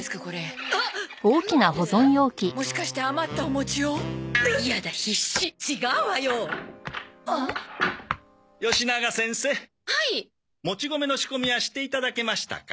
もち米の仕込みはしていただけましたか？